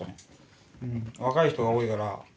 若い人が多いから。